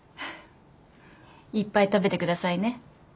いっぱい食べて下さいね。